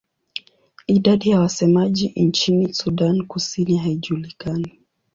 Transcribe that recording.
Idadi ya wasemaji nchini Sudan Kusini haijulikani.